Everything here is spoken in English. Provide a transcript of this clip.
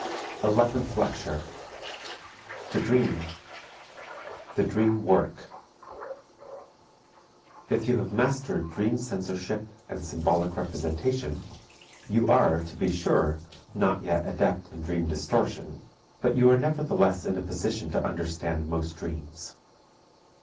ELEVENTH LECTURE THE DREAM The Dream Work If you have mastered dream censorship and symbolic representation, you are, to be sure, not yet adept in dream distortion, but you are nevertheless in a position to understand most dreams.